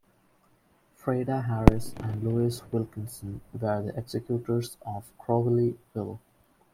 Frieda Harris and Louis Wilkinson were the executors of Crowley's Will.